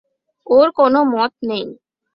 ওর কোনো মত নেই।